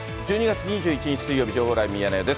１２月２１日水曜日、情報ライブミヤネ屋です。